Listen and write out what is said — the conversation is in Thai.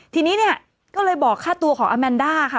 ทีนี้เนี่ยก็เลยบอกค่าตัวของอาแมนด้าค่ะ